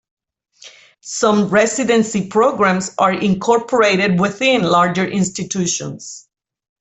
Some residency programs are incorporated within larger institutions.